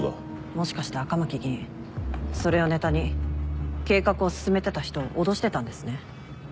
もしかして赤巻議員それをネタに計画を進めてた人を脅してたんですね？